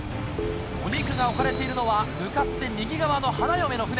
お肉が置かれているのは向かって右側の花嫁の船。